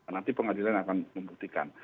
nanti pengadilan akan membuktikan